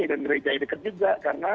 dan gereja ya dekat juga